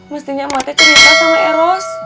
mestinya emak teh cerita sama eros